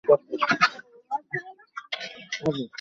শ্রীমোতিলাল ঘোষাল-এর সম্মান আর থাকে না।